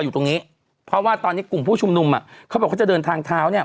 อยู่ตรงนี้เพราะว่าตอนนี้กลุ่มผู้ชุมนุมอ่ะเขาบอกเขาจะเดินทางเท้าเนี่ย